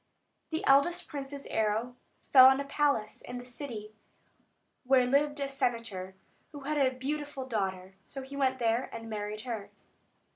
The eldest prince's arrow fell on a palace in the city, where lived a senator, who had a beautiful daughter; so he went there, and married her.